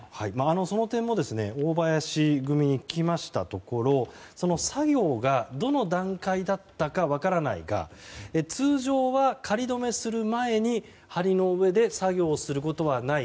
その点も大林組に聞きましたところ作業がどの段階だったか分からないが通常は仮止めする前に梁の上で作業することはない。